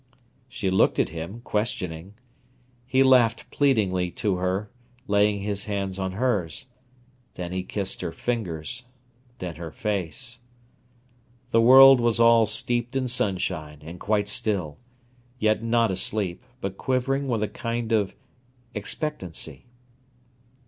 She looked at him, questioning. He laughed pleadingly to her, laying his hands on hers. Then he kissed her fingers, then her face. The world was all steeped in sunshine, and quite still, yet not asleep, but quivering with a kind of expectancy.